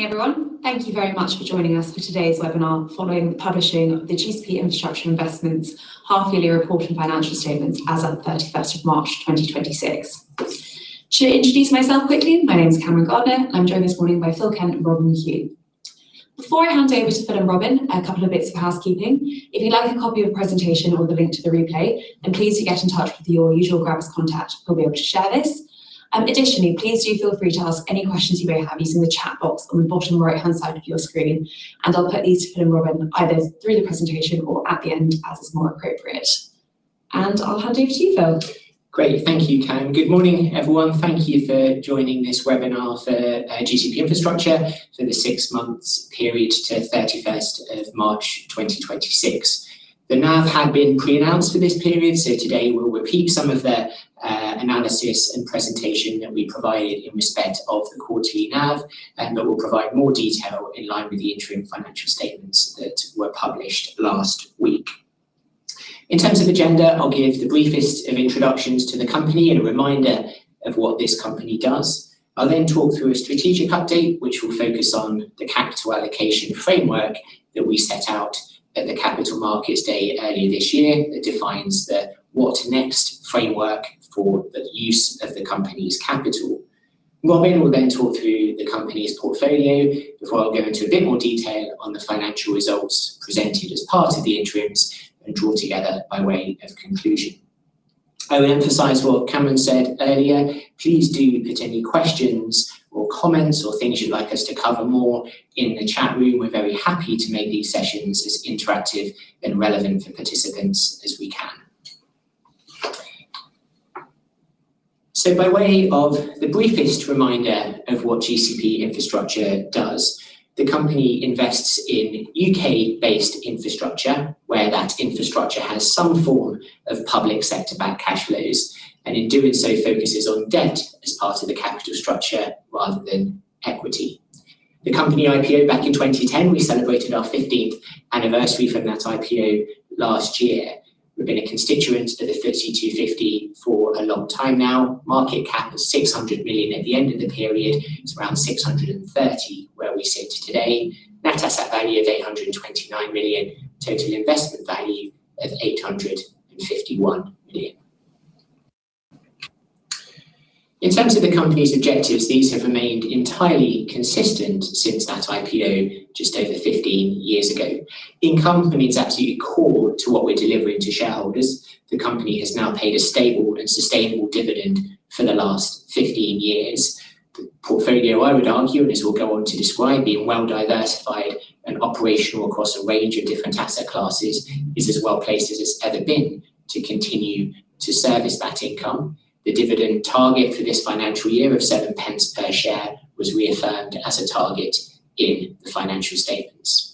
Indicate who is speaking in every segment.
Speaker 1: Morning, everyone. Thank you very much for joining us for today's webinar following the publishing of the GCP Infrastructure Investments half-yearly report and financial statements as of 31st of March 2026. To introduce myself quickly, my name is Cameron Gardner. I'm joined this morning by Phil Kent and Robyn MacHugh. Before I hand over to Phil and Robyn, a couple of bits of housekeeping. If you'd like a copy of the presentation or the link to the replay, then please do get in touch with your usual Gravis contact who'll be able to share this. Additionally, please do feel free to ask any questions you may have using the chat box on the bottom right-hand side of your screen, and I'll put these to Phil and Robyn either through the presentation or at the end as is more appropriate. I'll hand over to you, Phil.
Speaker 2: Great. Thank you, Cam. Good morning, everyone. Thank you for joining this webinar for GCP Infrastructure for the six months period to 31st of March 2026. The NAV had been pre-announced for this period. Today we'll repeat some of the analysis and presentation that we provided in respect of the quarterly NAV, then we'll provide more detail in line with the interim financial statements that were published last week. In terms of agenda, I'll give the briefest of introductions to the company and a reminder of what this company does. I'll talk through a strategic update, which will focus on the capital allocation framework that we set out at the Capital Markets Day earlier this year. It defines the what next framework for the use of the company's capital. Robyn will then talk through the company's portfolio before I'll go into a bit more detail on the financial results presented as part of the interims and draw together by way of conclusion. I would emphasize what Cameron said earlier. Please do put any questions or comments or things you'd like us to cover more in the chat room. We're very happy to make these sessions as interactive and relevant for participants as we can. By way of the briefest reminder of what GCP Infrastructure does, the company invests in U.K.-based infrastructure, where that infrastructure has some form of public sector-backed cash flows, and in doing so, focuses on debt as part of the capital structure rather than equity. The company IPOed back in 2010. We celebrated our 15th anniversary from that IPO last year. We've been a constituent of the FTSE 250 for a long time now. Market cap of 600 million at the end of the period. It's around 630 million where we sit today. Net asset value of 829 million. Total investment value of 851 million. In terms of the company's objectives, these have remained entirely consistent since that IPO just over 15 years ago. Income for me is absolutely core to what we're delivering to shareholders. The company has now paid a stable and sustainable dividend for the last 15 years. The portfolio, I would argue, and as we'll go on to describe, being well-diversified and operational across a range of different asset classes, is as well-placed as it's ever been to continue to service that income. The dividend target for this financial year of 0.07 per share was reaffirmed as a target in the financial statements.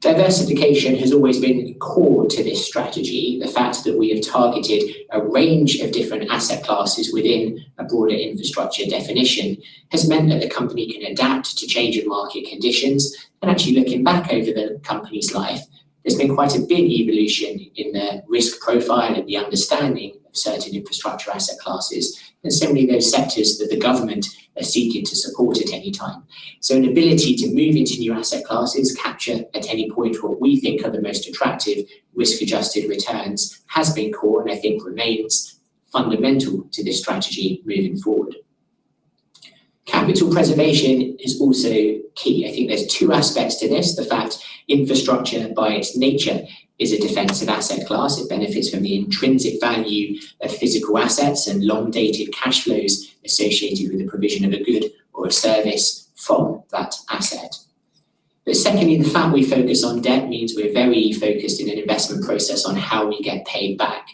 Speaker 2: Diversification has always been core to this strategy. The fact that we have targeted a range of different asset classes within a broader infrastructure definition has meant that the company can adapt to changing market conditions. Actually, looking back over the company's life, there's been quite a big evolution in the risk profile and the understanding of certain infrastructure asset classes, and certainly those sectors that the government are seeking to support at any time. An ability to move into new asset classes, capture at any point what we think are the most attractive risk-adjusted returns, has been core and I think remains fundamental to this strategy moving forward. Capital preservation is also key. I think there's two aspects to this. The fact infrastructure, by its nature, is a defensive asset class. It benefits from the intrinsic value of physical assets and long-dated cash flows associated with the provision of a good or a service from that asset. Secondly, the fact we focus on debt means we're very focused in an investment process on how we get paid back.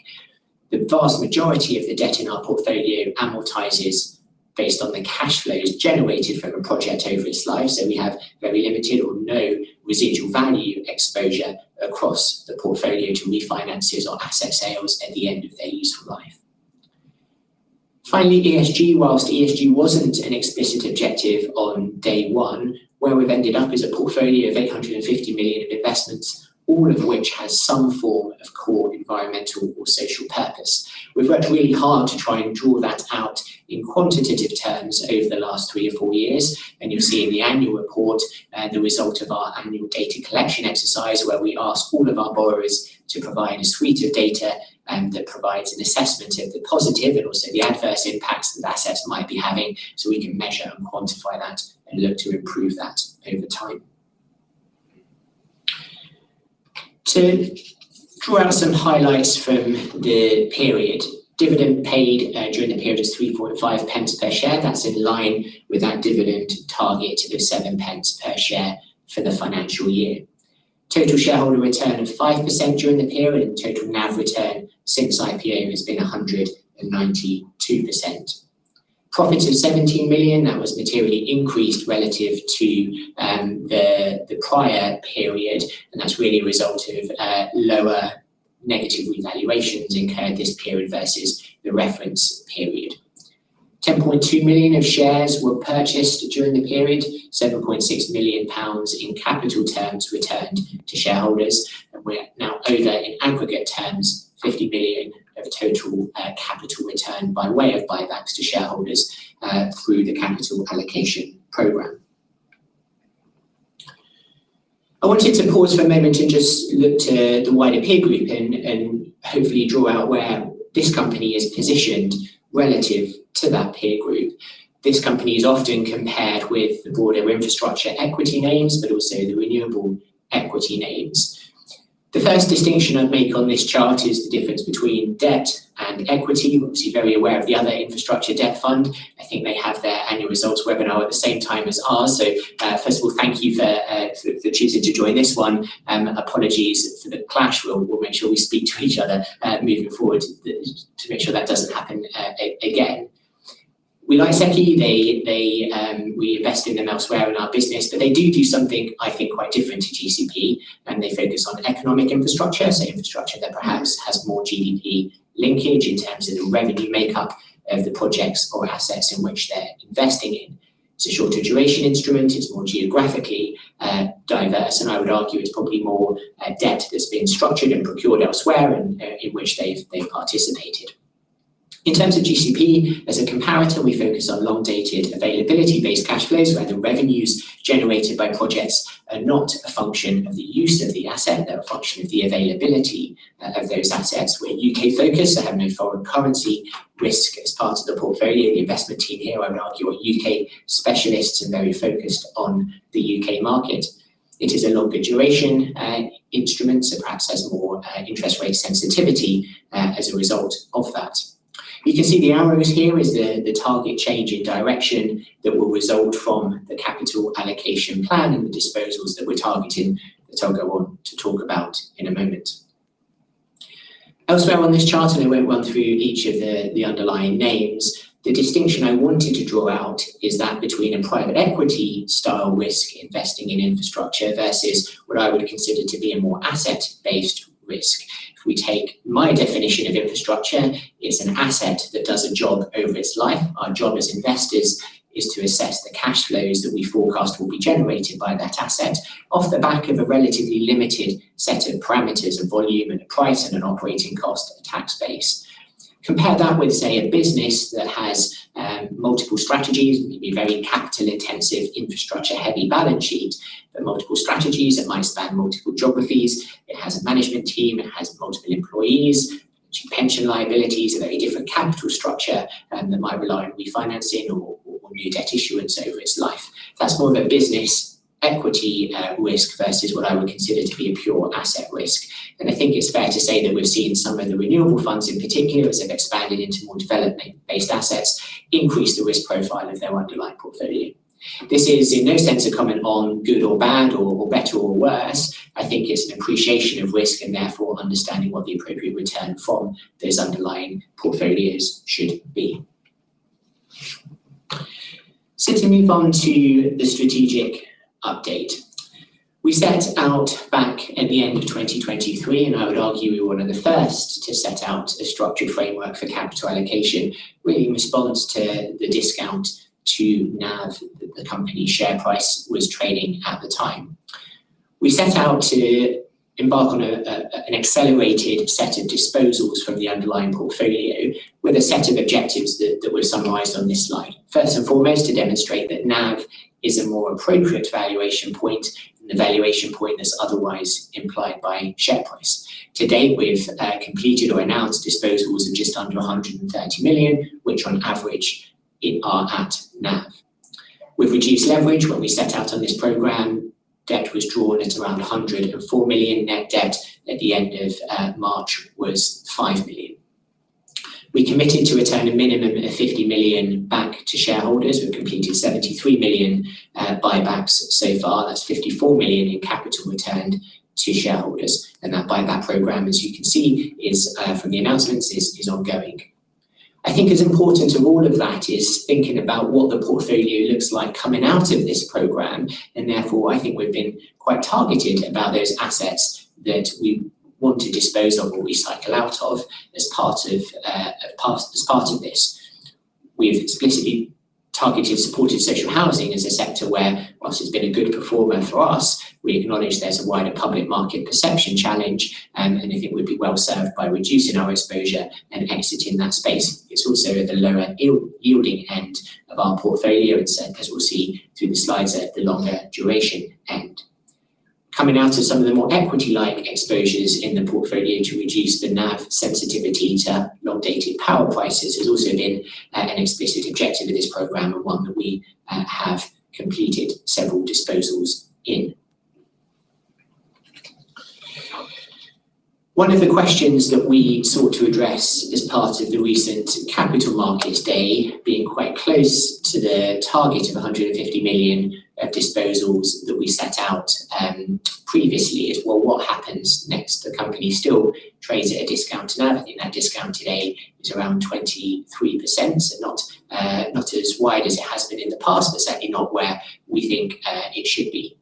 Speaker 2: The vast majority of the debt in our portfolio amortizes based on the cash flows generated from a project over its life. We have very limited or no residual value exposure across the portfolio to refinances or asset sales at the end of their useful life. Finally, ESG. Whilst ESG wasn't an explicit objective on day one, where we've ended up is a portfolio of 850 million in investments, all of which has some form of core environmental or social purpose. We've worked really hard to try and draw that out in quantitative terms over the last three or four years. You'll see in the annual report, the result of our annual data collection exercise, where we ask all of our borrowers to provide a suite of data, and that provides an assessment of the positive and also the adverse impacts that assets might be having, so we can measure and quantify that and look to improve that over time. To draw out some highlights from the period. Dividend paid during the period is 0.035 per share. That's in line with that dividend target of 0.07 per share for the financial year. Total shareholder return of 5% during the period and total NAV return since IPO has been 192%. Profits of 17 million, that was materially increased relative to the prior period, and that's really a result of lower negative revaluations incurred this period versus the reference period. 10.2 million shares were purchased during the period, 7.6 million pounds in capital terms returned to shareholders. We're now over, in aggregate terms, 50 million of total capital return by way of buybacks to shareholders, through the capital allocation program. I wanted to pause for a moment and just look to the wider peer group and hopefully draw out where this company is positioned relative to that peer group. This company is often compared with the broader infrastructure equity names, also the renewable equity names. The first distinction I'd make on this chart is the difference between debt and equity. You're obviously very aware of the other infrastructure debt fund. I think they have their annual results webinar at the same time as ours. First of all, thank you for choosing to join this one. Apologies for the clash. We'll make sure we speak to each other moving forward to make sure that doesn't happen again. We like SEQI. We invest in them elsewhere in our business. They do something, I think, quite different to GCP and they focus on economic infrastructure. Infrastructure that perhaps has more GDP linkage in terms of the revenue makeup of the projects or assets in which they're investing in. It's a shorter duration instrument, it's more geographically diverse, and I would argue it's probably more debt that's been structured and procured elsewhere in which they've participated. In terms of GCP as a comparator, we focus on long-dated availability-based cash flows, where the revenues generated by projects are not a function of the use of the asset. They're a function of the availability of those assets. We're U.K.-focused, have no foreign currency risk as part of the portfolio. The investment team here, I would argue, are U.K. specialists and very focused on the U.K. market. It is a longer duration instrument, perhaps there's more interest rate sensitivity as a result of that. You can see the arrows here is the target change in direction that will result from the capital allocation plan and the disposals that we're targeting that I'll go on to talk about in a moment. Elsewhere on this chart, I won't run through each of the underlying names, the distinction I wanted to draw out is that between a private equity style risk investing in infrastructure versus what I would consider to be a more asset-based risk. If we take my definition of infrastructure, it's an asset that does a job over its life. Our job as investors is to assess the cash flows that we forecast will be generated by that asset off the back of a relatively limited set of parameters of volume and a price and an operating cost and a tax base. Compare that with, say, a business that has multiple strategies, maybe very capital intensive, infrastructure heavy balance sheet, multiple strategies that might span multiple geographies. It has a management team, it has multiple employees, pension liabilities, a very different capital structure that might rely on refinancing or new debt issuance over its life. That's more of a business equity risk versus what I would consider to be a pure asset risk. I think it's fair to say that we've seen some of the renewable funds in particular, as they've expanded into more development-based assets, increase the risk profile of their underlying portfolio. This is in no sense a comment on good or bad or better or worse. I think it's an appreciation of risk and therefore understanding what the appropriate return from those underlying portfolios should be. To move on to the strategic update. We set out back at the end of 2023. I would argue we were one of the first to set out a structured framework for capital allocation, really in response to the discount to NAV that the company share price was trading at the time. We set out to embark on an accelerated set of disposals from the underlying portfolio with a set of objectives that were summarized on this slide. First and foremost, to demonstrate that NAV is a more appropriate valuation point than the valuation point that's otherwise implied by share price. To date, we've completed or announced disposals of just under 130 million, which on average are at NAV. We've reduced leverage. When we set out on this program, debt was drawn at around 104 million net debt. At the end of March, it was 5 million. We committed to return a minimum of 50 million back to shareholders. We've completed 73 million buybacks so far. That's 54 million in capital returned to shareholders. That buyback program, as you can see from the announcements, is ongoing. I think it's important to all of that is thinking about what the portfolio looks like coming out of this program. Therefore, I think we've been quite targeted about those assets that we want to dispose of or recycle out of as part of this. We've explicitly targeted supported social housing as a sector where whilst it's been a good performer for us, we acknowledge there's a wider public market perception challenge, and I think we'd be well-served by reducing our exposure and exiting that space. It's also at the lower yielding end of our portfolio and, as we'll see through the slides, at the longer duration end. Coming out of some of the more equity-like exposures in the portfolio to reduce the NAV sensitivity to long-dated power prices has also been an explicit objective of this program and one that we have completed several disposals in. One of the questions that we sought to address as part of the recent Capital Markets Day, being quite close to the target of 150 million of disposals that we set out previously is, well, what happens next? The company still trades at a discount to NAV. I think that discount today is around 23%, not as wide as it has been in the past, but certainly not where we think it should be.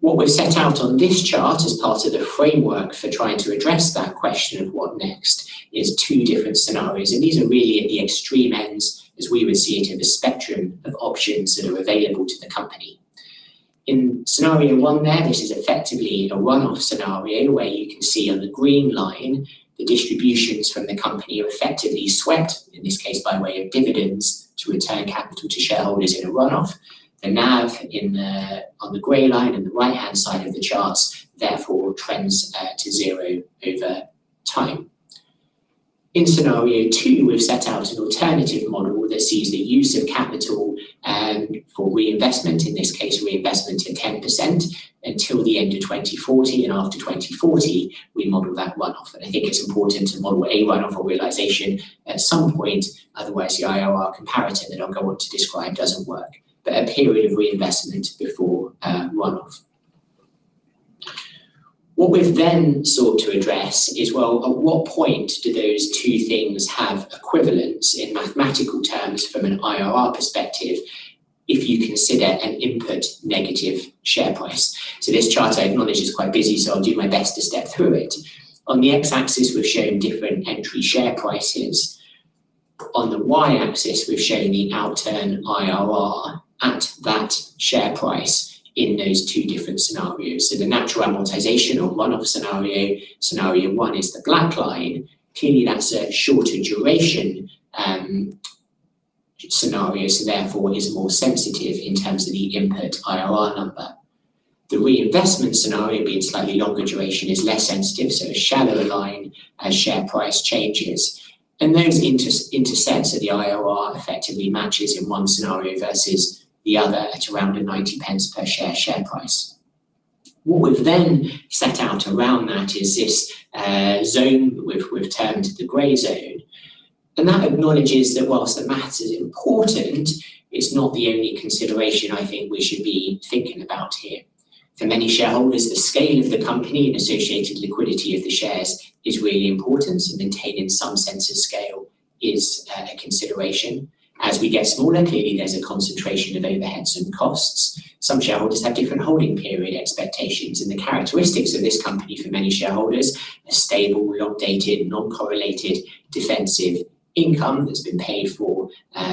Speaker 2: What we've set out on this chart as part of the framework for trying to address that question of what next is two different scenarios. These are really at the extreme ends as we would see it in the spectrum of options that are available to the company. In scenario 1 there, this is effectively a runoff scenario where you can see on the green line the distributions from the company are effectively swept, in this case by way of dividends to return capital to shareholders in a runoff. The NAV on the gray line in the right-hand side of the chart, therefore, trends to zero over time. In scenario 2, we've set out an alternative model that sees the use of capital for reinvestment, in this case, reinvestment at 10% until the end of 2040. After 2040, we model that runoff. I think it's important to model a runoff or realization at some point, otherwise, the IRR comparative that I'll go on to describe doesn't work. A period of reinvestment before runoff. We've then sought to address is, well, at what point do those two things have equivalence in mathematical terms from an IRR perspective if you consider an input negative share price? This chart, I acknowledge, is quite busy, so I'll do my best to step through it. On the x-axis, we've shown different entry share prices. On the y-axis, we've shown the outturn IRR at that share price in those two different scenarios. The natural amortization or runoff scenario 1 is the black line. Clearly, that's a shorter duration scenario, so therefore, is more sensitive in terms of the input IRR number. The reinvestment scenario, being slightly longer duration, is less sensitive, so a shallower line as share price changes. Those intersects of the IRR effectively matches in one scenario versus the other at around the 0.90 per share price. We've then set out around that is this zone we've termed the gray zone. That acknowledges that whilst the math is important, it's not the only consideration I think we should be thinking about here. For many shareholders, the scale of the company and associated liquidity of the shares is really important to maintain some sense of scale is a consideration. As we get smaller, clearly, there's a concentration of overheads and costs. Some shareholders have different holding period expectations. The characteristics of this company for many shareholders, a stable, updated, non-correlated defensive income that's been paid for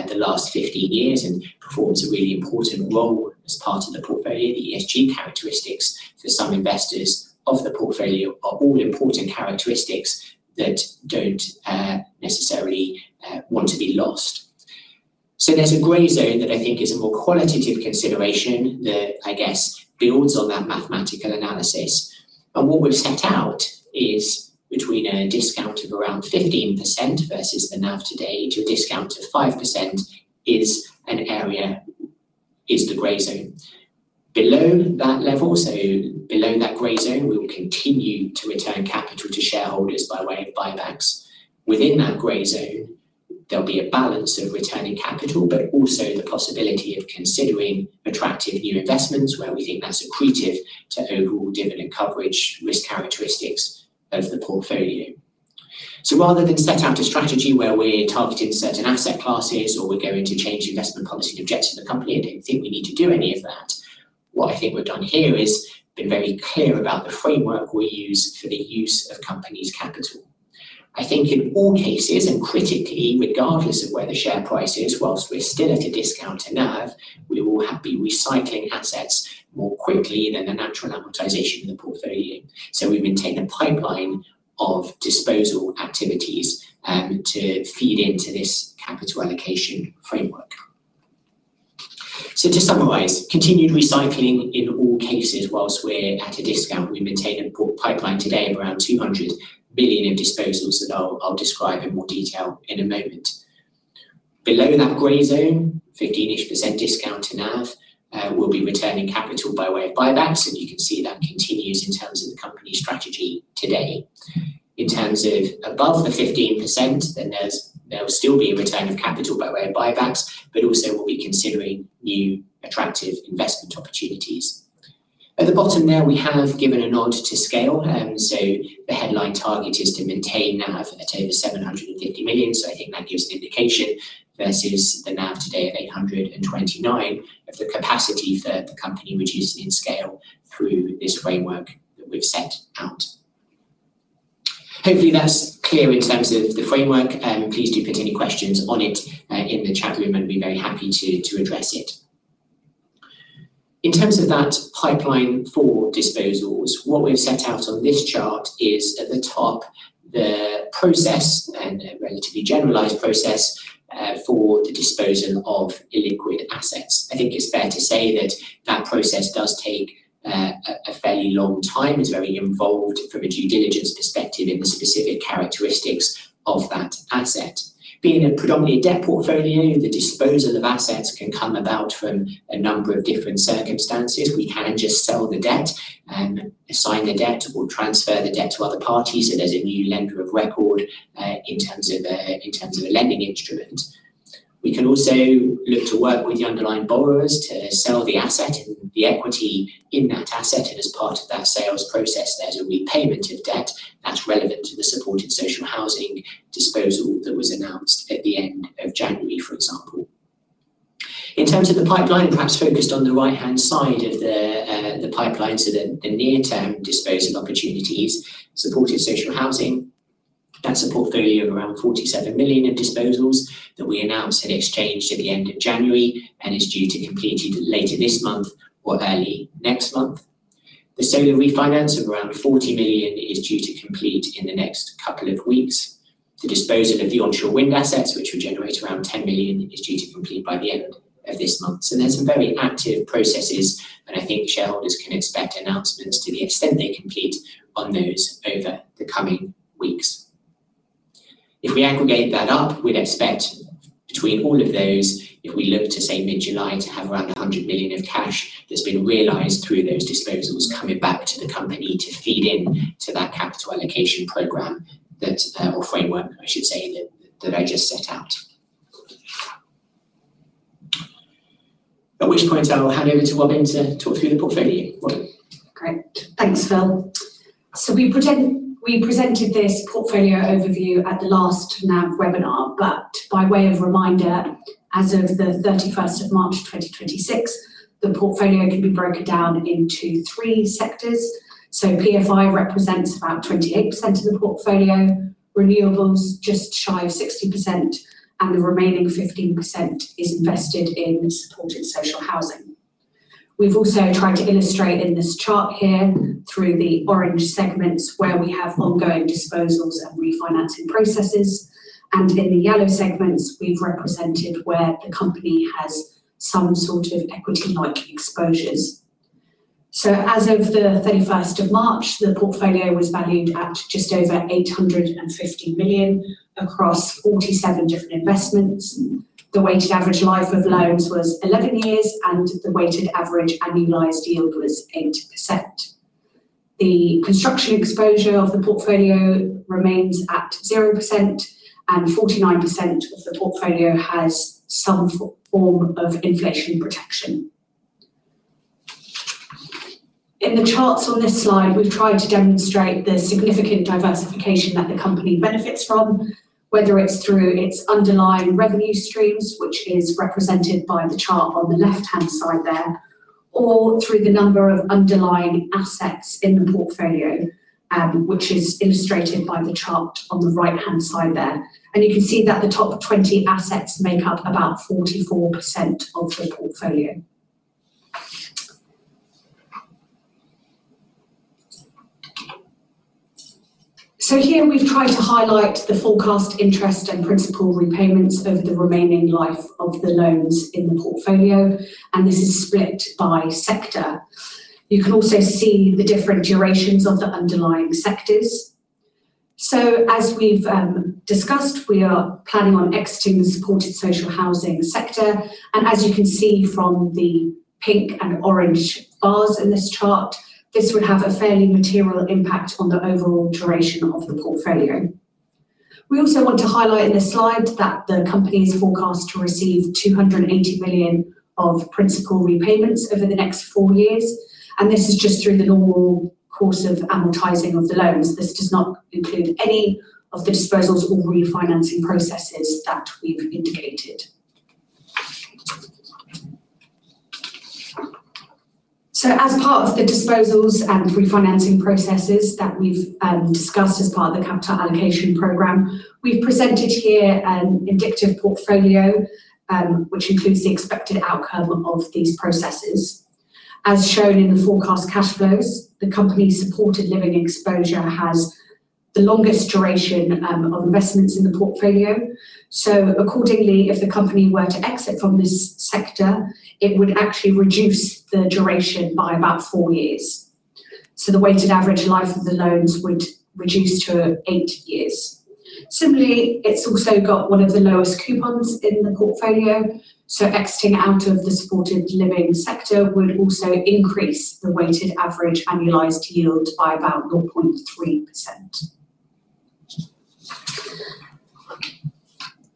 Speaker 2: the last 15 years and performs a really important role as part of the portfolio. The ESG characteristics for some investors of the portfolio are all important characteristics that don't necessarily want to be lost. There's a gray zone that I think is a more qualitative consideration that, I guess, builds on that mathematical analysis. What we've set out is between a discount of around 15% versus the NAV today to a discount of 5% is an area, is the gray zone. Below that level, so below that gray zone, we will continue to return capital to shareholders by way of buybacks. Within that gray zone, there'll be a balance of returning capital, but also the possibility of considering attractive new investments where we think that's accretive to overall dividend coverage risk characteristics of the portfolio. Rather than set out a strategy where we're targeting certain asset classes or we're going to change investment policy and objectives of the company, I don't think we need to do any of that. I think we've done here is been very clear about the framework we use for the use of companies' capital. In all cases, and critically, regardless of where the share price is, whilst we're still at a discount to NAV, we will be recycling assets more quickly than the natural amortization of the portfolio. We maintain a pipeline of disposal activities to feed into this capital allocation framework. To summarize, continued recycling in all cases whilst we're at a discount. We maintain a pipeline today of around 200 million in disposals that I'll describe in more detail in a moment. Below that gray zone, 15ish% discount to NAV. We'll be returning capital by way of buybacks, and you can see that continues in terms of the company strategy today. In terms of above the 15%, there will still be a return of capital by way of buybacks, but also we'll be considering new attractive investment opportunities. At the bottom there, we have given a nod to scale. The headline target is to maintain NAV at over 750 million, I think that gives an indication versus the NAV today of 829 of the capacity for the company, which is in scale through this framework that we've set out. Hopefully, that's clear in terms of the framework. Please do put any questions on it in the chat room, I'd be very happy to address it. In terms of that pipeline for disposals, what we've set out on this chart is at the top, the process, a relatively generalized process, for the disposal of illiquid assets. I think it's fair to say that that process does take a fairly long time, is very involved from a due diligence perspective in the specific characteristics of that asset. Being a predominantly debt portfolio, the disposal of assets can come about from a number of different circumstances. We can just sell the debt, assign the debt, or transfer the debt to other parties so there's a new lender of record in terms of a lending instrument. We can also look to work with the underlying borrowers to sell the asset and the equity in that asset. As part of that sales process, there's a repayment of debt that's relevant to the supported social housing disposal that was announced at the end of January, for example. In terms of the pipeline, perhaps focused on the right-hand side of the pipeline, the near-term disposal opportunities. Supported social housing, that's a portfolio of around 47 million in disposals that we announced had exchanged at the end of January and is due to complete either later this month or early next month. The solar refinance of around 40 million is due to complete in the next couple of weeks. The disposal of the onshore wind assets, which will generate around 10 million, is due to complete by the end of this month. There's some very active processes, I think shareholders can expect announcements to the extent they complete on those over the coming weeks. If we aggregate that up, we'd expect between all of those, if we look to, say, mid-July, to have around 100 million of cash that's been realized through those disposals coming back to the company to feed into that capital allocation program or framework, I should say, that I just set out. At which point I will hand over to Robyn to talk through the portfolio. Robyn.
Speaker 3: Great. Thanks, Phil. We presented this portfolio overview at the last NAV webinar. By way of reminder, as of the 31st of March 2026, the portfolio can be broken down into three sectors. PFI represents about 28% of the portfolio, renewables just shy of 60%, and the remaining 15% is invested in supported social housing. We've also tried to illustrate in this chart here through the orange segments where we have ongoing disposals and refinancing processes, and in the yellow segments we've represented where the company has some sort of equity-like exposures. As of the 31st of March, the portfolio was valued at just over 850 million across 47 different investments. The weighted average life of loans was 11 years, and the weighted average annualized yield was 8%. The construction exposure of the portfolio remains at 0%, and 49% of the portfolio has some form of inflation protection. In the charts on this slide, we've tried to demonstrate the significant diversification that the company benefits from, whether it's through its underlying revenue streams, which is represented by the chart on the left-hand side there, or through the number of underlying assets in the portfolio, which is illustrated by the chart on the right-hand side there. You can see that the top 20 assets make up about 44% of the portfolio. Here we've tried to highlight the forecast interest and principal repayments over the remaining life of the loans in the portfolio, and this is split by sector. You can also see the different durations of the underlying sectors. As we've discussed, we are planning on exiting the supported social housing sector, and as you can see from the pink and orange bars in this chart, this would have a fairly material impact on the overall duration of the portfolio. We also want to highlight in this slide that the company is forecast to receive 280 million of principal repayments over the next four years, and this is just through the normal course of amortizing of the loans. This does not include any of the disposals or refinancing processes that we've indicated. As part of the disposals and refinancing processes that we've discussed as part of the capital allocation program, we've presented here an indicative portfolio, which includes the expected outcome of these processes. As shown in the forecast cash flows, the company's supported living exposure has the longest duration of investments in the portfolio. Accordingly, if the company were to exit from this sector, it would actually reduce the duration by about four years. The weighted average life of the loans would reduce to eight years. Similarly, it's also got one of the lowest coupons in the portfolio, exiting out of the supported living sector would also increase the weighted average annualized yield by about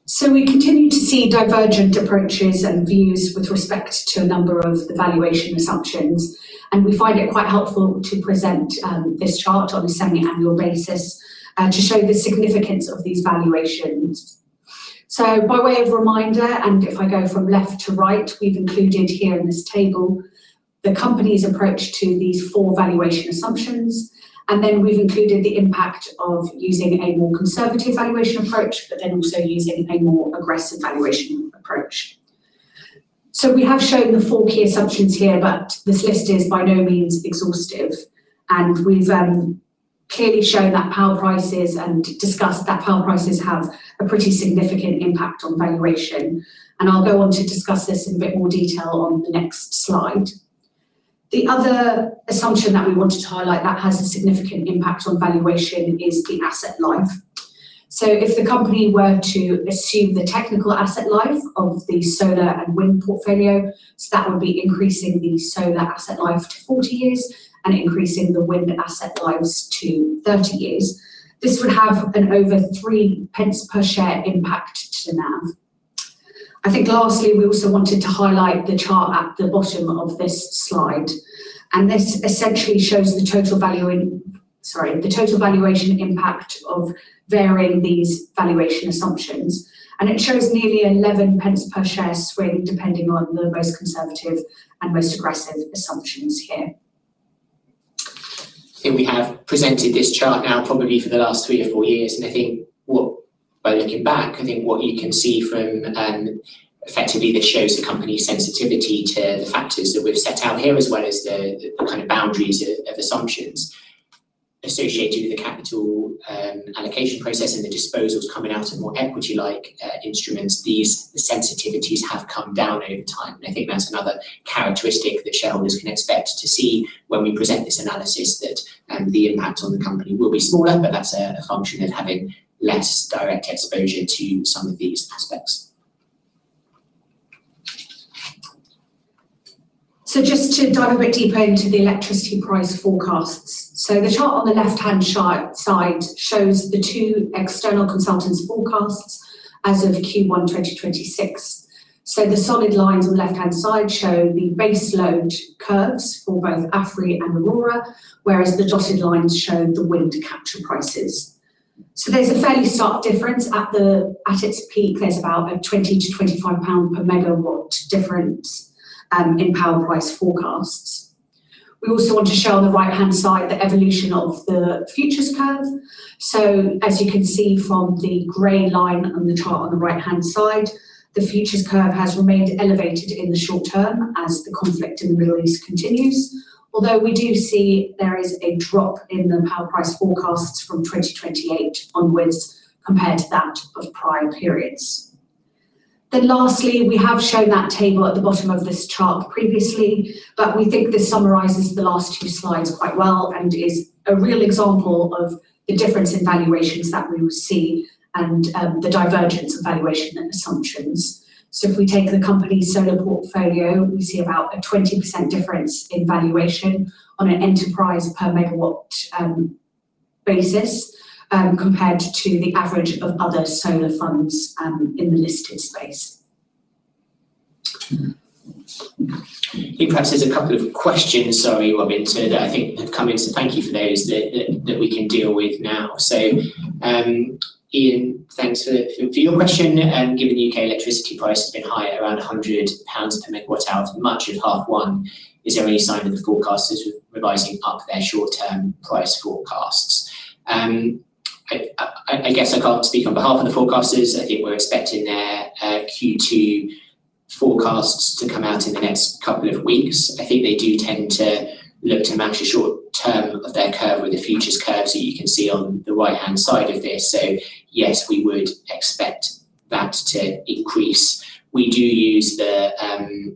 Speaker 3: 0.3%. We continue to see divergent approaches and views with respect to a number of the valuation assumptions, and we find it quite helpful to present this chart on a semi-annual basis to show the significance of these valuations. By way of reminder, if I go from left to right, we've included here in this table the company's approach to these four valuation assumptions, we've included the impact of using a more conservative valuation approach, also using a more aggressive valuation approach. We have shown the four key assumptions here, but this list is by no means exhaustive. We've clearly shown that power prices, and discussed that power prices have a pretty significant impact on valuation, and I'll go on to discuss this in a bit more detail on the next slide. The other assumption that we wanted to highlight that has a significant impact on valuation is the asset life. If the company were to assume the technical asset life of the solar and wind portfolio, that would be increasing the solar asset life to 40 years and increasing the wind asset lives to 30 years. This would have an over 0.03 per share impact to NAV. Lastly, we also wanted to highlight the chart at the bottom of this slide, this essentially shows the total valuation impact of varying these valuation assumptions. It shows nearly 0.11 per share swing depending on the most conservative and most aggressive assumptions here.
Speaker 2: We have presented this chart now probably for the last three or four years, effectively, this shows the company's sensitivity to the factors that we've set out here, as well as the kind of boundaries of assumptions. Associated with the capital allocation process and the disposals coming out of more equity-like instruments, the sensitivities have come down over time. That's another characteristic that shareholders can expect to see when we present this analysis, that the impact on the company will be smaller, that's a function of having less direct exposure to some of these aspects.
Speaker 3: Just to dive a bit deeper into the electricity price forecasts. The chart on the left-hand side shows the two external consultants' forecasts as of Q1 2026. The solid lines on the left-hand side show the baseload curves for both AFRY and Aurora, whereas the dotted lines show the wind capture prices. There's a fairly stark difference. At its peak, there's about a 20-25 pound per megawatt difference in power price forecasts. We also want to show on the right-hand side the evolution of the futures curve. As you can see from the gray line on the chart on the right-hand side, the futures curve has remained elevated in the short term as the conflict in the Middle East continues. Although we do see there is a drop in the power price forecasts from 2028 onwards compared to that of prior periods. Lastly, we have shown that table at the bottom of this chart previously, but we think this summarizes the last two slides quite well and is a real example of the difference in valuations that we will see and the divergence of valuation assumptions. If we take the company's solar portfolio, we see about a 20% difference in valuation on an enterprise value per megawatt basis, compared to the average of other solar funds in the listed space.
Speaker 2: I think perhaps there's a couple of questions, sorry, Robyn, too, that I think have come in, thank you for those, that we can deal with now. Ian, thanks for your question. Given the U.K. electricity price has been high at around 100 pounds per megawatt hour for much of half one, is there any sign that the forecasters are revising up their short-term price forecasts? I guess I can't speak on behalf of the forecasters. I think we're expecting their Q2 forecasts to come out in the next couple of weeks. I think they do tend to look to match the short term of their curve with the futures curve. You can see on the right-hand side of this. Yes, we would expect that to increase. We do use a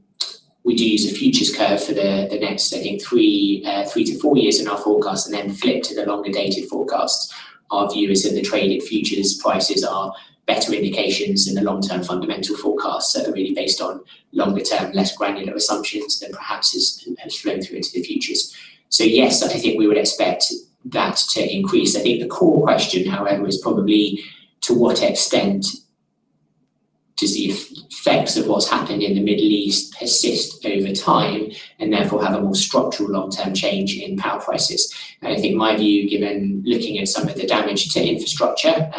Speaker 2: futures curve for the next, I think, three to four years in our forecast and then flip to the longer-dated forecasts. Our view is that the traded futures prices are better indications in the long-term fundamental forecasts that are really based on longer-term, less granular assumptions than perhaps has flowed through into the futures. Yes, I think we would expect that to increase. I think the core question, however, is probably to what extent does the effects of what's happened in the Middle East persist over time and therefore have a more structural long-term change in power prices. I think my view, given looking at some of the damage to infrastructure,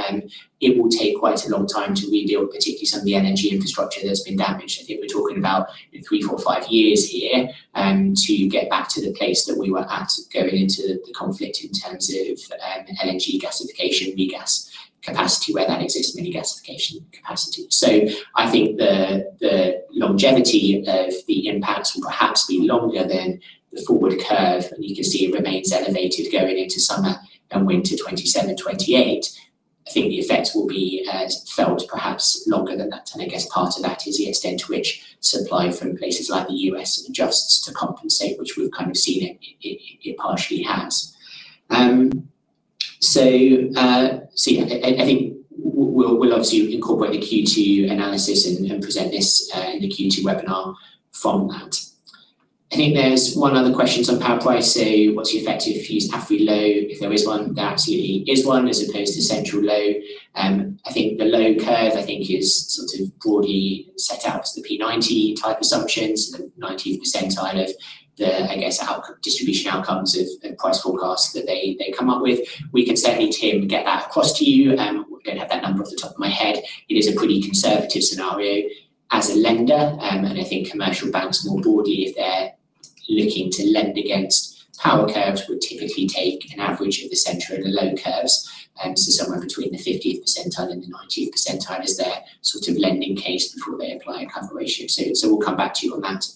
Speaker 2: it will take quite a long time to rebuild, particularly some of the energy infrastructure that's been damaged. I think we're talking about three, four, five years here to get back to the place that we were at going into the conflict in terms of LNG regasification, regas capacity where that exists, mini liquefaction capacity. I think the longevity of the impacts will perhaps be longer than the forward curve, and you can see it remains elevated going into summer and winter 2027, 2028. I think the effects will be felt perhaps longer than that. And I guess part of that is the extent to which supply from places like the U.S. adjusts to compensate, which we've kind of seen it partially has. I think we'll obviously incorporate the Q2 analysis and present this in the Q2 webinar from that. I think there's one other question on power price. What's the effect if you use AFRY low, if there is one? There absolutely is one as opposed to central low. I think the low curve is sort of broadly set out as the P90 type assumptions, the 90th percentile of the, I guess, distribution outcomes of price forecasts that they come up with. We can certainly, Tim, get that across to you. We don't have that number off the top of my head. It is a pretty conservative scenario. As a lender, and I think commercial banks more broadly, if they're looking to lend against power curves, would typically take an average of the center and the low curves. Somewhere between the 50th percentile and the 90th percentile is their sort of lending case before they apply a cover ratio. We'll come back to you on that,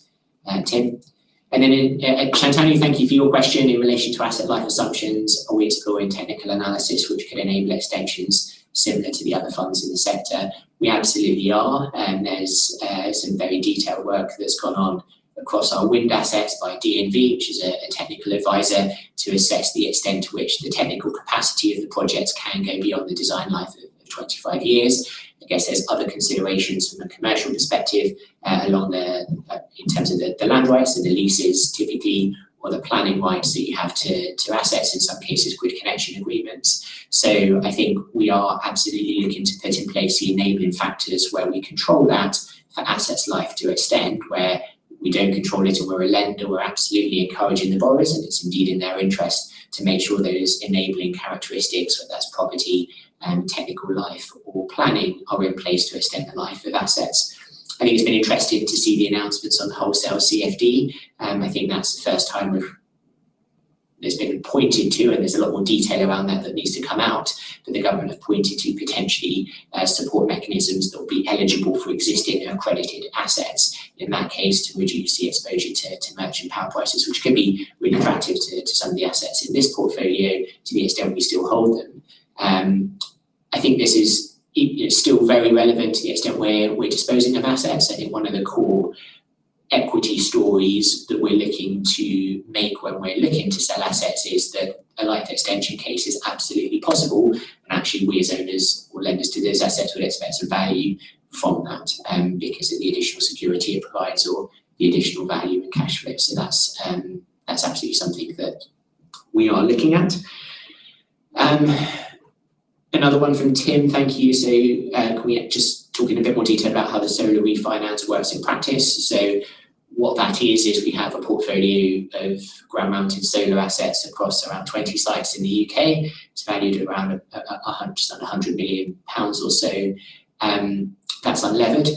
Speaker 2: Tim. Shantanu, thank you for your question in relation to asset life assumptions. Are we exploring technical analysis which could enable extensions similar to the other funds in the sector? We absolutely are, and there's some very detailed work that's gone on across our wind assets by DNV, which is a technical advisor, to assess the extent to which the technical capacity of the projects can go beyond the design life of 25 years. I guess there's other considerations from a commercial perspective along the, in terms of the land rights and the leases typically, or the planning rights that you have to assets, in some cases, grid connection agreements. I think we are absolutely looking to put in place the enabling factors where we control that for assets life to extend. Where we don't control it or we're a lender, we're absolutely encouraging the borrowers, and it's indeed in their interest to make sure those enabling characteristics, whether that's property and technical life or planning, are in place to extend the life of assets. I think it's been interesting to see the announcements on the wholesale CFD. I think that's the first time it's been pointed to, and there's a lot more detail around that that needs to come out. The government have pointed to potentially support mechanisms that will be eligible for existing accredited assets, in that case, to reduce the exposure to merchant power prices, which can be really attractive to some of the assets in this portfolio to the extent we still hold them. I think this is still very relevant to the extent where we're disposing of assets. I think one of the core equity stories that we're looking to make when we're looking to sell assets is that a life extension case is absolutely possible. Actually, we as owners or lenders to those assets would expect some value from that because of the additional security it provides or the additional value and cash flow. That's absolutely something that we are looking at. Another one from Tim. Thank you. Can we just talk in a bit more detail about how the solar refinance works in practice? What that is we have a portfolio of ground-mounted solar assets across around 20 sites in the U.K. It's valued around 100 million pounds or so. That's unlevered.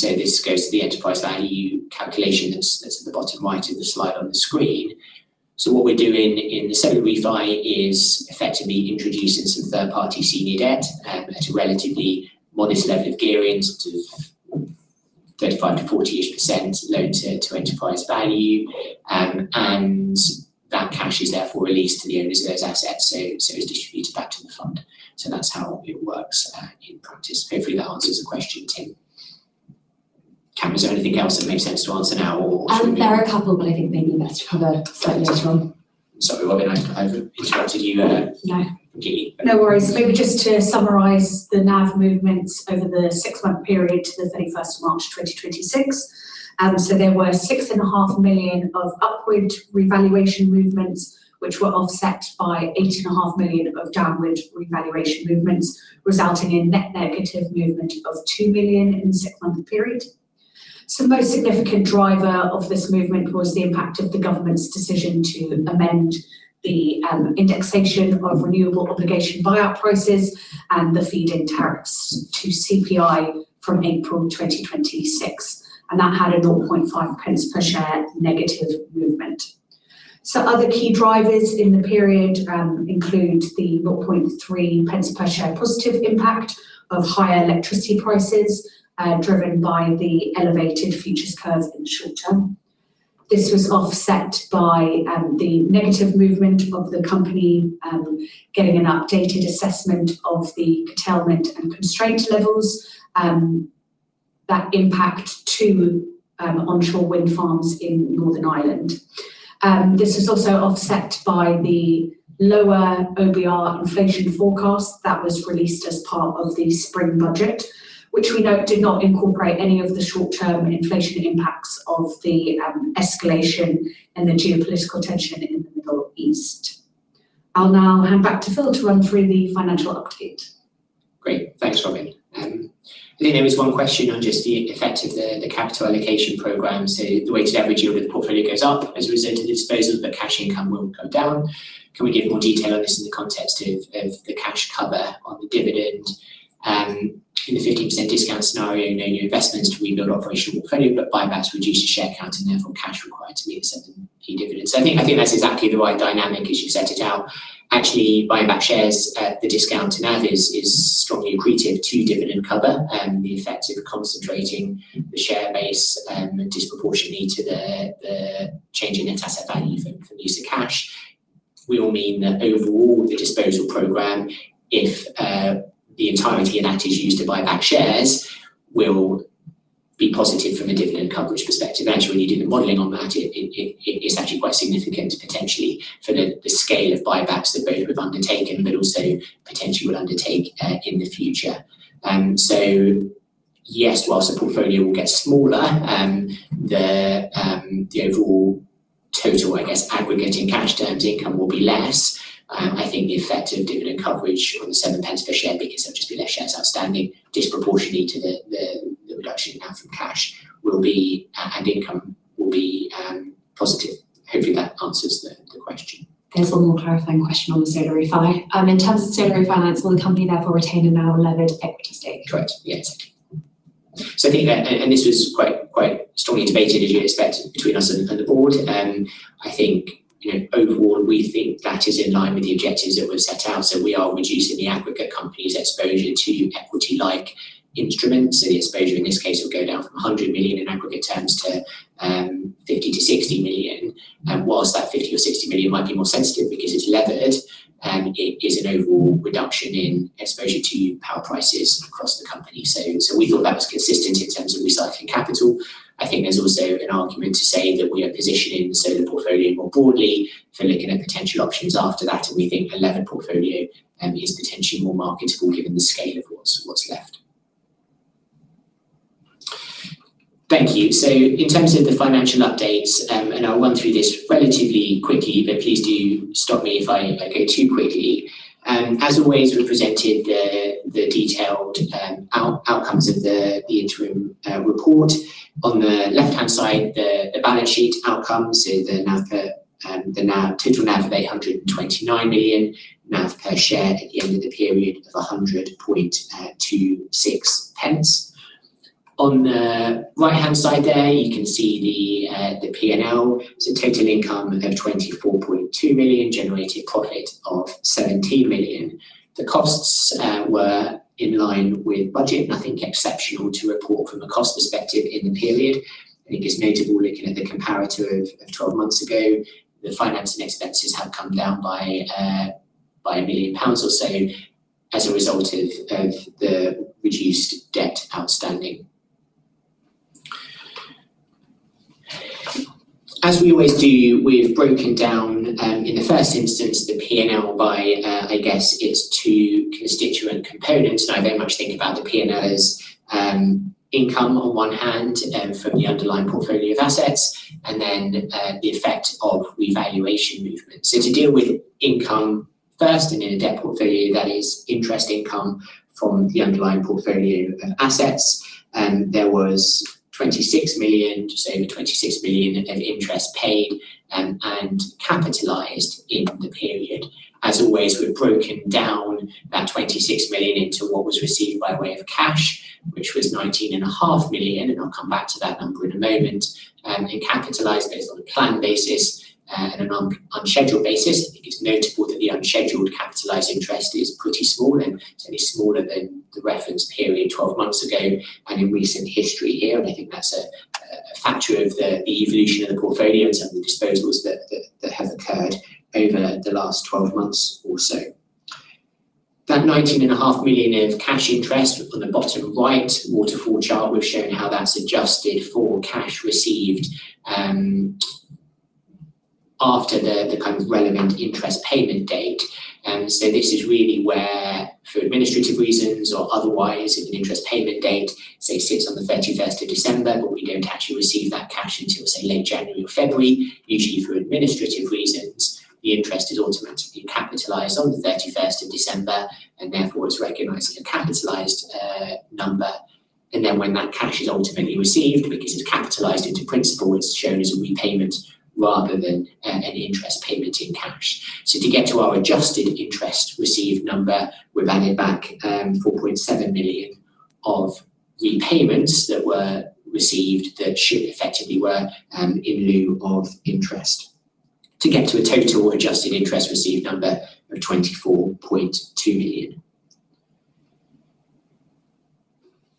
Speaker 2: This goes to the enterprise value calculation that's at the bottom right of the slide on the screen. What we're doing in the solar refi is effectively introducing some third-party senior debt at a relatively modest level of gearing, sort of 35%-40%-ish loan to enterprise value. That cash is therefore released to the owners of those assets, so it's distributed back to the fund. That's how it works in practice. Hopefully, that answers the question, Tim. Cameron, is there anything else that makes sense to answer now or?
Speaker 3: There are a couple, I think maybe that's covered slightly as well.
Speaker 2: Sorry, Robyn, I've interrupted you there.
Speaker 3: No. No worries. Maybe just to summarize the NAV movements over the six-month period to the 31st of March 2026. There were 6.5 million of upward revaluation movements, which were offset by 8.5 million of downward revaluation movements, resulting in net negative movement of 2 million in the six-month period. The most significant driver of this movement was the impact of the government's decision to amend the indexation of Renewables Obligation buyout prices and the feed-in tariffs to CPI from April 2026, and that had a 0.005 per share negative movement. Other key drivers in the period include the 0.003 per share positive impact of higher electricity prices, driven by the elevated futures curve in the short term. This was offset by the negative movement of the company getting an updated assessment of the curtailment and constraint levels that impact two onshore wind farms in Northern Ireland. This was also offset by the lower OBR inflation forecast that was released as part of the spring budget, which we note did not incorporate any of the short-term inflation impacts of the escalation and the geopolitical tension in the Middle East. I'll now hand back to Phil to run through the financial update.
Speaker 2: Great. Thanks, Robyn. I think there was one question on just the effect of the capital allocation program. The weighted average yield of the portfolio goes up as a result of the disposal, but cash income will go down. Can we give more detail on this in the context of the cash cover on the dividend in the 15% discount scenario, no new investments to rebuild operational portfolio, but buybacks reduce the share count and therefore cash required to meet a certain key dividend. I think that's exactly the right dynamic as you set it out. Actually, buying back shares at the discount to NAV is strongly accretive to dividend cover. The effect of concentrating the share base disproportionately to the change in net asset value from use of cash will mean that overall, the disposal program, if the entirety of that is used to buy back shares, will be positive from a dividend coverage perspective. Actually, when you do the modeling on that, it's actually quite significant potentially for the scale of buybacks that both we've undertaken, but also potentially will undertake in the future. Yes, whilst the portfolio will get smaller, the overall total, I guess, aggregate in cash terms income will be less. I think the effect of dividend coverage on the 0.07 per share because there'll just be less shares outstanding disproportionately to the reduction in NAV from cash and income will be positive. Hopefully, that answers the question.
Speaker 3: There's one more clarifying question on the solar refinance. In terms of the solar refinance, will the company therefore retain a now levered equity stake?
Speaker 2: Correct. Yes. I think that, and this was quite strongly debated, as you'd expect, between us and the board. I think overall, we think that is in line with the objectives that we've set out. We are reducing the aggregate company's exposure to equity-like instruments, and the exposure in this case will go down from 100 million in aggregate terms to 50 million-60 million. Whilst that 50 million or 60 million might be more sensitive because it's levered, it is an overall reduction in exposure to power prices across the company. We thought that was consistent in terms of recycling capital. I think there's also an argument to say that we are positioning the solar portfolio more broadly for looking at potential options after that, and we think a levered portfolio is potentially more marketable given the scale of what's left. Thank you. In terms of the financial updates, and I'll run through this relatively quickly, but please do stop me if I go too quickly. As always, we've presented the detailed outcomes of the interim report. On the left-hand side, the balance sheet outcome, so the total NAV of 829 million, NAV per share at the end of the period of 1.0026. On the right-hand side there, you can see the P&L. Total income of 24.2 million generated a profit of 17 million. The costs were in line with budget, nothing exceptional to report from a cost perspective in the period. I think it's notable looking at the comparator of 12 months ago, the finance and expenses have come down by 1 million pounds or so as a result of the reduced debt outstanding. As we always do, we've broken down in the first instance the P&L by, I guess, its two constituent components. I very much think about the P&L as income on one hand from the underlying portfolio of assets and then the effect of revaluation movement. To deal with income first and in a debt portfolio that is interest income from the underlying portfolio assets. There was just over 26 million of interest paid and capitalized in the period. As always, we've broken down that 26 million into what was received by way of cash, which was 19.5 million, and I'll come back to that number in a moment. Capitalized based on a planned basis and an unscheduled basis, it is notable that the unscheduled capitalized interest is pretty small and certainly smaller than the reference period 12 months ago and in recent history here. I think that's a factor of the evolution of the portfolio and some of the disposals that have occurred over the last 12 months or so. That 19.5 million of cash interest on the bottom right waterfall chart we've shown how that's adjusted for cash received after the relevant interest payment date. This is really where for administrative reasons or otherwise if an interest payment date, say, sits on the 31st of December, but we don't actually receive that cash until, say, late January or February. Usually for administrative reasons, the interest is automatically capitalized on the 31st of December and therefore it's recognized as a capitalized number. When that cash is ultimately received, because it's capitalized into principle, it's shown as a repayment rather than an interest payment in cash. To get to our adjusted interest received number, we've added back 4.7 million of repayments that were received that effectively were in lieu of interest to get to a total adjusted interest received number of 24.2 million.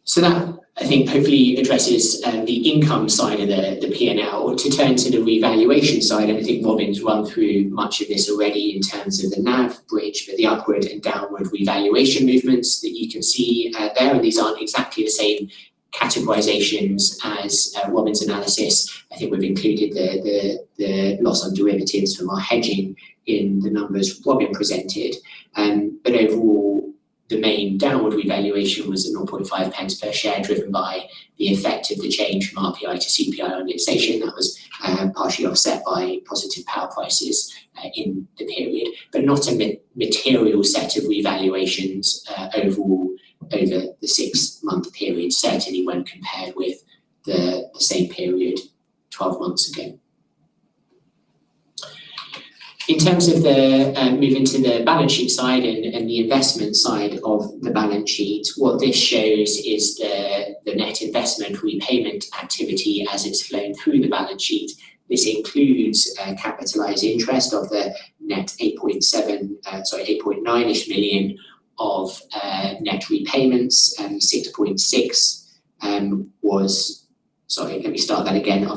Speaker 2: So that I think hopefully addresses the income side of the P&L. To turn to the revaluation side, I think Robyn's run through much of this already in terms of the NAV bridge for the upward and downward revaluation movements that you can see there. These aren't exactly the same categorizations as Robyn's analysis. I think we've included the loss on derivatives from our hedging in the numbers Robyn presented. Overall, the main downward revaluation was at 0.005 per share driven by the effect of the change from RPI to CPI indexation that was partially offset by positive power prices in the period. Not a material set of revaluations overall over the six-month period, certainly when compared with the same period 12 months ago. In terms of moving to the balance sheet side and the investment side of the balance sheet, what this shows is the net investment repayment activity as it's flowed through the balance sheet. This includes capitalized interest of the net GBP 8.9 million of net repayments. Of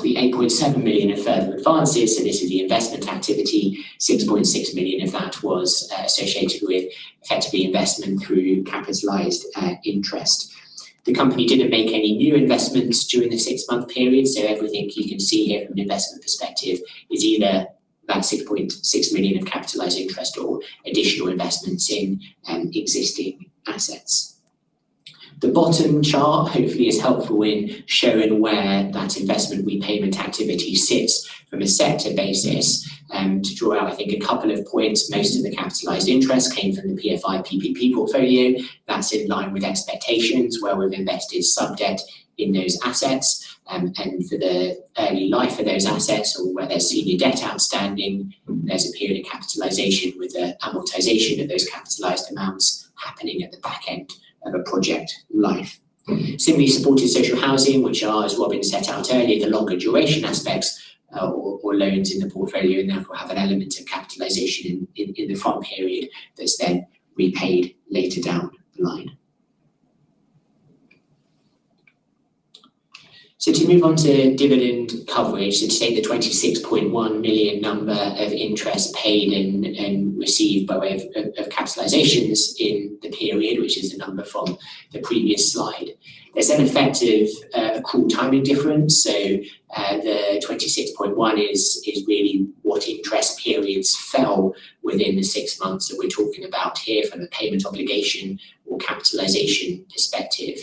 Speaker 2: the 8.7 million of further advances, so this is the investment activity, 6.6 million of that was associated with effectively investment through capitalized interest. The company didn't make any new investments during the six-month period so everything you can see here from an investment perspective is either that 6.6 million of capitalized interest or additional investments in existing assets. The bottom chart hopefully is helpful in showing where that investment repayment activity sits from a sector basis. To draw out I think a couple of points, most of the capitalized interest came from the PFI/PPP portfolio. That's in line with expectations where we've invested subject in those assets. For the early life of those assets or where there's senior debt outstanding, there's a period of capitalization with the amortization of those capitalized amounts happening at the back end of a project life. Similarly supported social housing which are, as Robyn set out earlier, the longer duration aspects or loans in the portfolio and therefore have an element of capitalization in the front period that's then repaid later down the line. To move on to dividend coverage, to take the 26.1 million number of interest paid and received by way of capitalizations in the period, which is the number from the previous slide. There's an effective accrual timing difference, so the 26.1 is really what interest periods fell within the six months that we're talking about here from a payment obligation or capitalization perspective.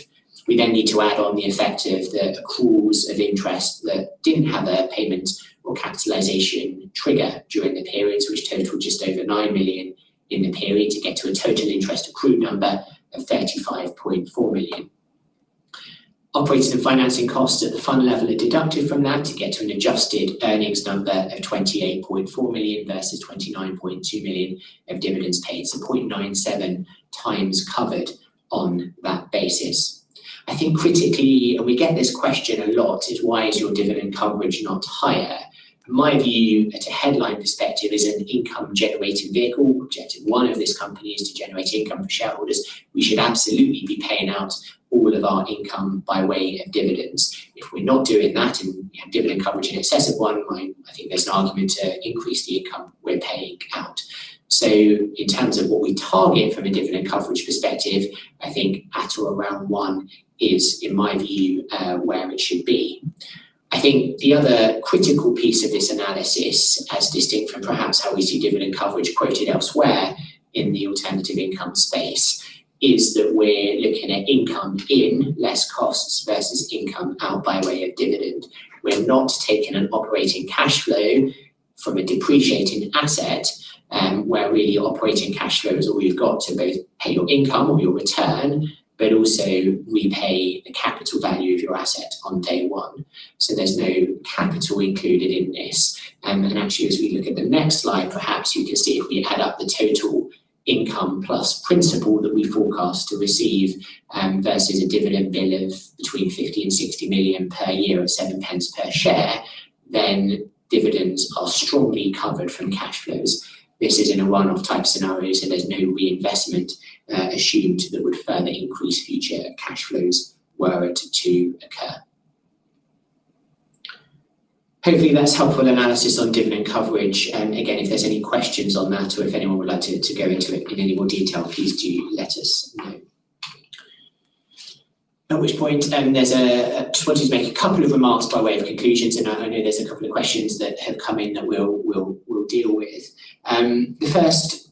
Speaker 2: We then need to add on the effect of the accruals of interest that didn't have a payment or capitalization trigger during the periods, which totaled just over 9 million in the period to get to a total interest accrued number of 35.4 million. Operating and financing costs at the fund level are deducted from that to get to an adjusted earnings number of 28.4 million versus 29.2 million of dividends paid. 0.97 times covered on that basis. I think critically, and we get this question a lot is, why is your dividend coverage not higher? In my view, at a headline perspective, as an income-generating vehicle, objective one of this company is to generate income for shareholders. We should absolutely be paying out all of our income by way of dividends. If we're not doing that and we have dividend coverage in excess of one, I think there's an argument to increase the income we're paying out. In terms of what we target from a dividend coverage perspective, I think at or around one is, in my view, where it should be. I think the other critical piece of this analysis, as distinct from perhaps how we see dividend coverage quoted elsewhere in the alternative income space, is that we're looking at income in less costs versus income out by way of dividend. We're not taking an operating cash flow from a depreciating asset, where really operating cash flow is all you've got to both pay your income or your return, but also repay the capital value of your asset on day one. There's no capital included in this. Actually, as we look at the next slide, perhaps you can see if we add up the total income plus principal that we forecast to receive, versus a dividend bill of between 50 million and 60 million per year at 0.07 per share, then dividends are strongly covered from cash flows. This is in a one-off type scenario, there's no reinvestment assumed that would further increase future cash flows were it to occur. Hopefully, that's helpful analysis on dividend coverage. Again, if there's any questions on that or if anyone would like to go into it in any more detail, please do let us know. At which point, I just wanted to make a couple of remarks by way of conclusions, and I know there's a couple of questions that have come in that we'll deal with. The first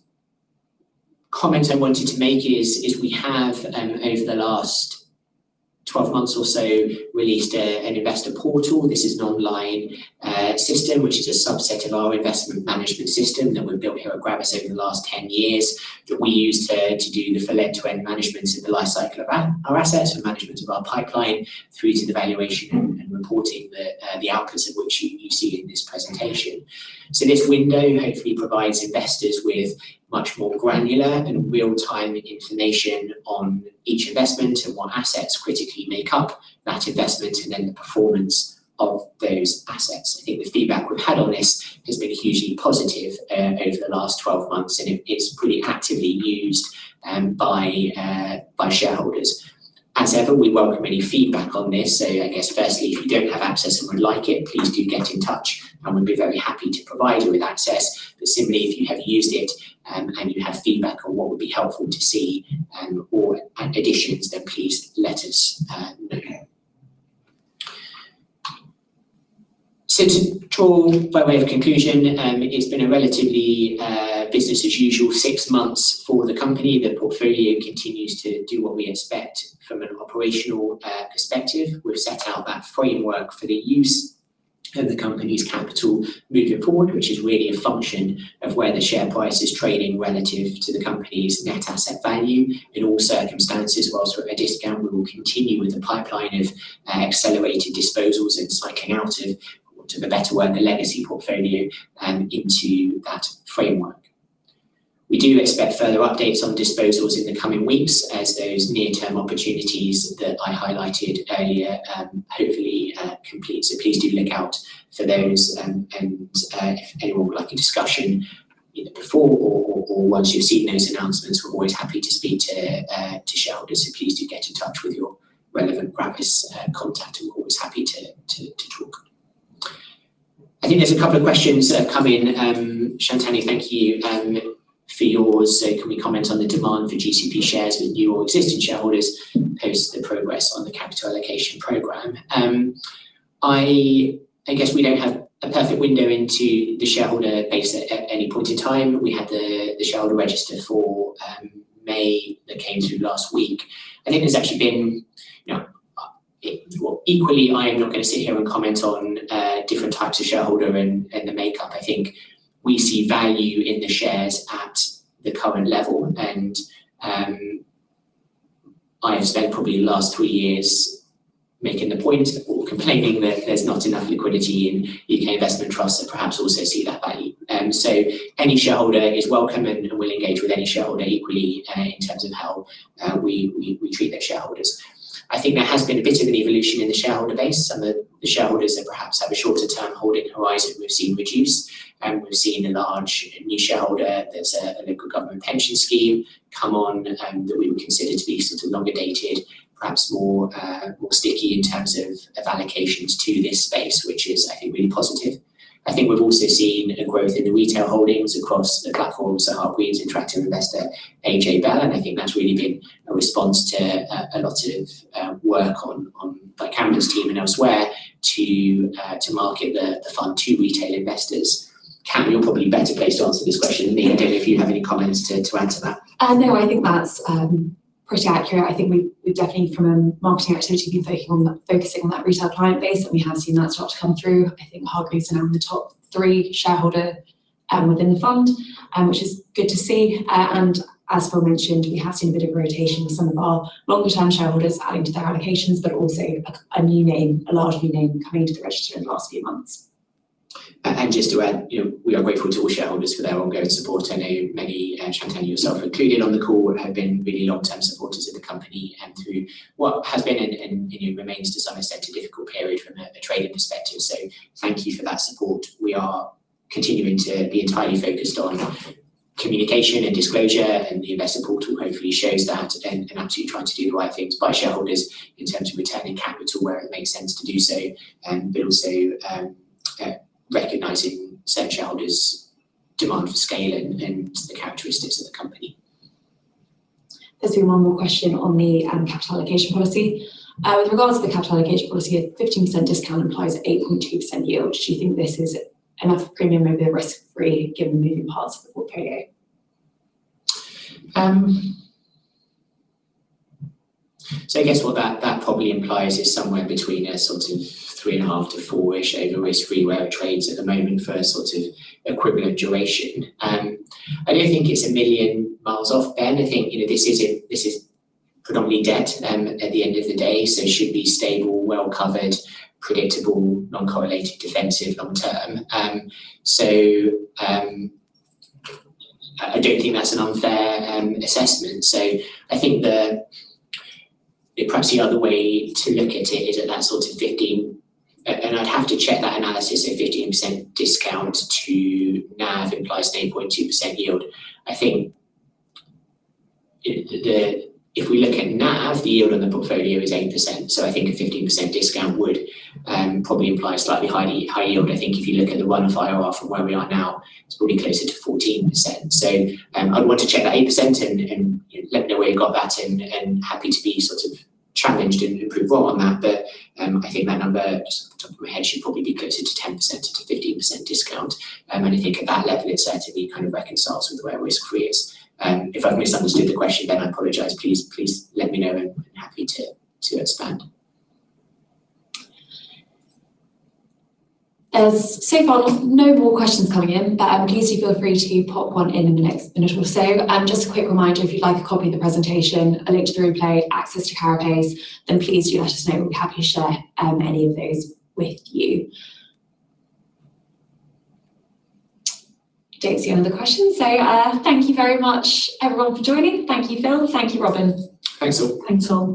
Speaker 2: comment I wanted to make is we have, over the last 12 months or so, released an investor portal. This is an online system, which is a subset of our investment management system that we've built here at Gravis over the last 10 years that we use to do the full end-to-end management of the life cycle of our assets and management of our pipeline through to the valuation and reporting the outputs of which you see in this presentation. This window hopefully provides investors with much more granular and real-time information on each investment and what assets critically make up that investment and then the performance of those assets. I think the feedback we've had on this has been hugely positive over the last 12 months, and it's pretty actively used by shareholders. As ever, we welcome any feedback on this. I guess firstly, if you don't have access and would like it, please do get in touch and we'd be very happy to provide you with access. Similarly, if you have used it and you have feedback on what would be helpful to see or additions, then please let us know. To draw by way of conclusion, it's been a relatively business as usual six months for the company. The portfolio continues to do what we expect from an operational perspective. We've set out that framework for the use of the company's capital moving forward, which is really a function of where the share price is trading relative to the company's net asset value. In all circumstances, whilst we're at a discount, we will continue with the pipeline of accelerated disposals and cycling out of, for want of a better word, the legacy portfolio and into that framework. We do expect further updates on disposals in the coming weeks as those near-term opportunities that I highlighted earlier hopefully complete. Please do look out for those, and if anyone would like a discussion either before or once you've seen those announcements, we're always happy to speak to shareholders. Please do get in touch with your relevant Gravis contact, and we're always happy to talk. I think there's a couple of questions that have come in. Shantanu, thank you for yours. Can we comment on the demand for GCP shares with new or existing shareholders post the progress on the capital allocation program? I guess we don't have a perfect window into the shareholder base at any point in time. We had the shareholder register for May that came through last week. Well, equally, I am not going to sit here and comment on different types of shareholder and the makeup. I think we see value in the shares at the current level, and I have spent probably the last three years making the point or complaining that there's not enough liquidity in U.K. investment trusts that perhaps also see that value. Any shareholder is welcome, and we'll engage with any shareholder equally in terms of how we treat their shareholders. I think there has been a bit of an evolution in the shareholder base. Some of the shareholders that perhaps have a shorter-term holding horizon, we've seen reduce. We've seen a large new shareholder that's a local government pension scheme come on, that we would consider to be sort of longer-dated, perhaps more sticky in terms of allocations to this space, which is, I think, really positive. I think we've also seen a growth in the retail holdings across the platforms at Hargreaves, Interactive Investor, AJ Bell. I think that's really been a response to a lot of work on the Carapace team and elsewhere to market the fund to retail investors. Cam, you're probably better placed to answer this question than me. I don't know if you have any comments to answer that.
Speaker 1: No, I think that's pretty accurate. I think we've definitely, from a marketing activity, been focusing on that retail client base. We have seen that start to come through. I think Hargreaves are now in the top three shareholder within the fund, which is good to see. As Phil mentioned, we have seen a bit of rotation with some of our longer-term shareholders adding to their allocations, also a large new name coming to the register in the last few months.
Speaker 2: Just to add, we are grateful to all shareholders for their ongoing support. I know many, Shantanu, yourself included on the call, have been really long-term supporters of the company through what has been, and remains to some extent, a difficult period from a trading perspective. Thank you for that support. We are continuing to be entirely focused on communication and disclosure and the investor portal hopefully shows that, absolutely trying to do the right things by shareholders in terms of returning capital where it makes sense to do so, also recognizing said shareholders' demand for scale and the characteristics of the company.
Speaker 1: There's been one more question on the capital allocation policy. With regards to the capital allocation policy, a 15% discount implies 8.2% yield. Do you think this is enough premium over risk-free given moving parts of the portfolio?
Speaker 2: I guess what that probably implies is somewhere between a sort of three and a half to four-ish over risk-free rate of trades at the moment for a sort of equivalent duration. I don't think it's a million miles off, Ben. I think this is predominantly debt at the end of the day, so should be stable, well-covered, predictable, non-correlated, defensive long term. I don't think that's an unfair assessment. I think perhaps the other way to look at it is at that sort of 15, and I'd have to check that analysis, a 15% discount to NAV implies an 8.2% yield. I think if we look at NAV, the yield on the portfolio is 8%. I think a 15% discount would probably imply a slightly higher yield. I think if you look at the run-off IRR from where we are now, it's probably closer to 14%. I'd want to check that 8% and let me know where you got that and happy to be sort of challenged and proved wrong on that. I think that number, just off the top of my head, should probably be closer to 10%-15% discount. I think at that level it certainly kind of reconciles with where risk-free is. If I've misunderstood the question, I apologize. Please let me know and happy to expand.
Speaker 1: So far, no more questions coming in, please do feel free to pop one in in the next minute or so. Just a quick reminder, if you'd like a copy of the presentation, a link to the replay, access to Carapace, please do let us know. We'll be happy to share any of those with you. Don't see any other questions. Thank you very much everyone for joining. Thank you, Phil. Thank you, Robyn.
Speaker 2: Thanks all.
Speaker 3: Thanks all.